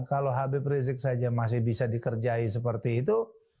kalau habib rizik saja masih bisa dikerjai seperti itu